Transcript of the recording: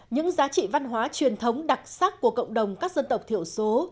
những giá trị văn hóa truyền thống đặc sắc của cộng đồng các dân tộc thiểu số